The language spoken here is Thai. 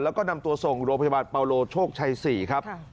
แล้วก็นำตัวส่งโรงพยาบาลปาโลโชคชัย๔ครับ